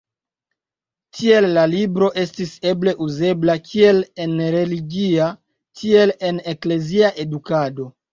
Tiel la libro estis eble uzebla kiel en religia, tiel en eklezia edukado.